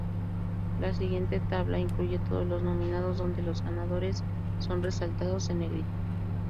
La siguiente table incluye todos los nominados donde los ganadores son resaltados en negrita.